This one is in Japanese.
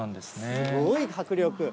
すごい迫力。